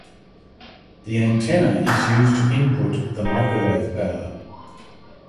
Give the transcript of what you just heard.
The antenna is used to input the microwave power.